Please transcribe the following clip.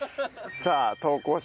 さあ投稿者